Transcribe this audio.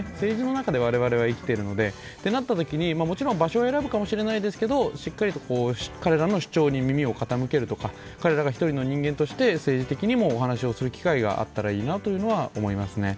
政治の中で我々は生きているので、となったときにもちろん場所を選ぶかもしれないですけどしっかりと彼らの主張に耳を傾けるとか、彼らが１人の人間として政治的にもお話をする機会があったらいいなと思いますね。